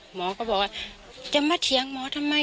หมอก็บอกว่าจะมาเถียงหมอทำไม